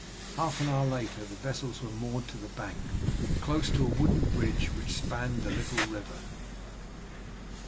Half an hour later the vessels were moored to the bank, close to a wooden bridge which spanned the little river.